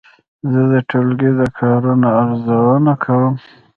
زه د ټولګي د کارونو ارزونه کوم.